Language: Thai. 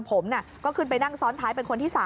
ผมก็ขึ้นไปนั่งซ้อนท้ายเป็นคนที่๓